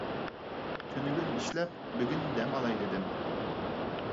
تۈنۈگۈن ئىشلەپ، بۈگۈن دەم ئالاي دېدىم.